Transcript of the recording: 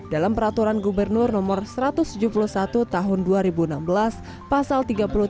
dalam peraturan gubernur no satu ratus tujuh puluh satu tahun dua ribu enam belas pasal tiga puluh tiga